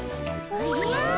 おじゃ！